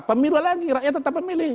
pemilu lagi rakyat tetap pemilih